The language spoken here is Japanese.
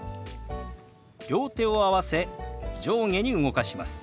両手を合わせ上下に動かします。